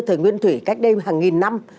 thời nguyên thủy cách đây hàng nghìn năm